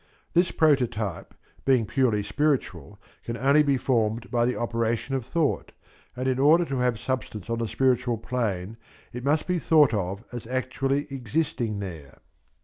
This prototype, being purely spiritual, can only be formed by the operation of thought, and in order to have substance on the spiritual plane it must be thought of as actually existing there.